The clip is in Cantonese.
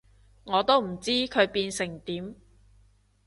我都唔知佢變成點